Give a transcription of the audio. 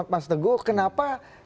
mas tego kenapa